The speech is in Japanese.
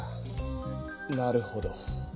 なるほど。